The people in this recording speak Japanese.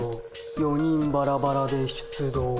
４人バラバラで出動。